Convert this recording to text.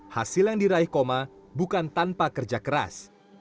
hasil yang diraih koma bukan tanpa kerja keras